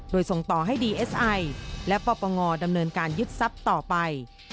โดยส่งต่อให้ดีเอสไอและปปงดำเนินการยึดทรัพย์ต่อไป